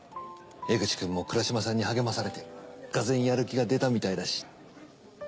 江口くんも倉嶋さんに励まされて俄然やる気が出たみたいだし。